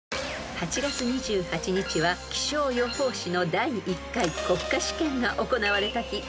［８月２８日は気象予報士の第１回国家試験が行われた日］